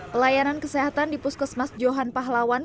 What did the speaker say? pelayanan kesehatan di puskesmas johan pahlawan